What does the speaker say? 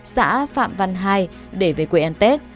tám mươi xã phạm văn hai để về quê an tết